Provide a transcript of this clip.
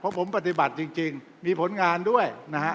เพราะผมปฏิบัติจริงมีผลงานด้วย